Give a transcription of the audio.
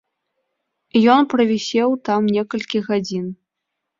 Ён правісеў там некалькі гадзін.